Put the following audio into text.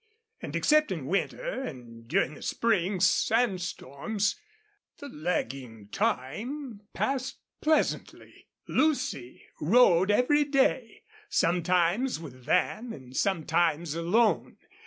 And except in winter, and during the spring sand storms, the lagging time passed pleasantly. Lucy rode every day, sometimes with Van, and sometimes alone.